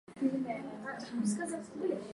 Wakongomani wanapenda kwenda bulaya